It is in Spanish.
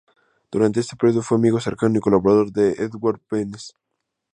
Durante este periodo fue amigo cercano y colaborador de Edvard Beneš.